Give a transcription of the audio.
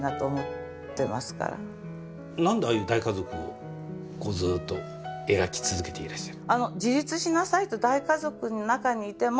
何でああいう大家族をこうずっと描き続けていらっしゃる？